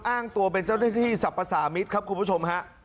อ้างตัวเป็นเจ้าหน้าที่สรรพสามิตรครับคุณผู้ชมฮะ